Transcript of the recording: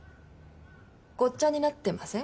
ごっちゃになってません？